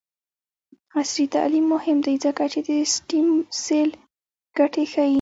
عصري تعلیم مهم دی ځکه چې د سټیم سیل ګټې ښيي.